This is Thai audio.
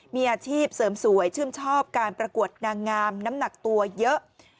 มีอาชีพเสริมสวยชื่นชอบการประกวดนางงามน้ำหนักตัวเยอะ